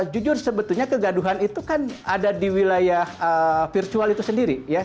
jujur sebetulnya kegaduhan itu kan ada di wilayah virtual itu sendiri ya